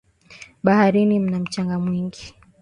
Baharini mna mchanga mwingi.